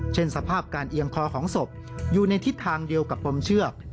สภาพการเอียงคอของศพอยู่ในทิศทางเดียวกับปมเชือก